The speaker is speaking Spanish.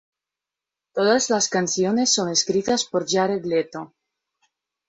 Todas las canciones son escritas por Jared Leto